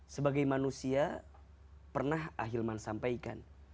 sebagai manusia pernah ahilman sampaikan